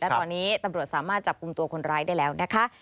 ตอนนี้ตำรวจสามารถจับกลุ่มตัวคนร้ายได้แล้วนะคะ